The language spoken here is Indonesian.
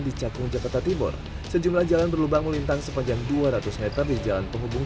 di cakung jakarta timur sejumlah jalan berlubang melintang sepanjang dua ratus m di jalan penghubung